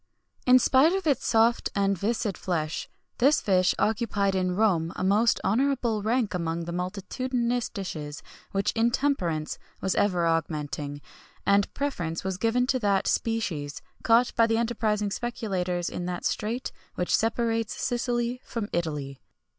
In spite of its soft and viscid flesh, this fish occupied in Rome a most honourable rank among the multitudinous dishes which intemperance was ever augmenting, and preference was given to that species caught by enterprising speculators in that strait which separates Sicily from Italy.